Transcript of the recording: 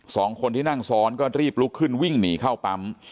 สองคนที่นั่งซ้อนก็รีบลุกขึ้นวิ่งหนีเข้าปั๊ม